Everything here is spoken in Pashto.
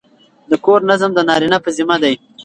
د کور نظم د نارینه په ذمه دی.